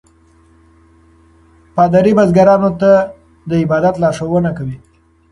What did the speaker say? پادري بزګرانو ته د عبادت لارښوونه کوي.